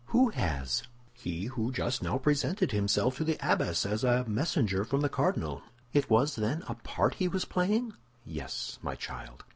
"Who has?" "He who just now presented himself to the abbess as a messenger from the cardinal." "It was, then, a part he was playing?" "Yes, my child."